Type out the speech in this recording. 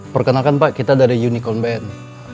perkenalkan pak kita dari unicorn band